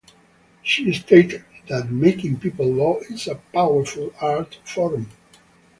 She stated that making people laugh is a powerful art form.